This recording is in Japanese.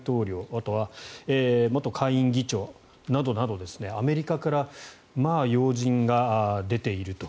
あとは元下院議長などなどアメリカから要人が出ていると。